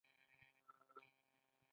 اسحق خان له هغه ځایه د جنګ ننداره کوله.